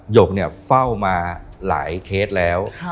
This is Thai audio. หกเนี่ยเฝ้ามาหลายเคสแล้ว